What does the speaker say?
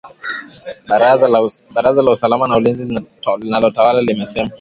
Baraza la usalama na ulinzi linalotawala limesema